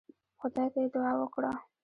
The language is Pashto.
خدای ته يې دعا وکړه.